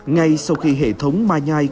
ngay sau khi hệ thống ma nhai